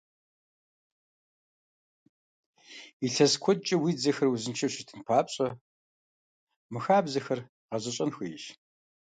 Илъэс куэдкӀэ уи дзэхэр узыншэу щытын папщӀэ, мы хабзэхэр гъэзэщӀэн хуейщ!